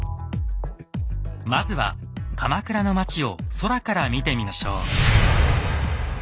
まずは鎌倉の町を空から見てみましょう。